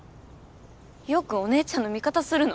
陽君お姉ちゃんの味方するの？